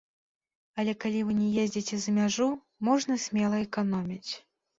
Але калі вы не ездзіце за мяжу, можна смела эканоміць.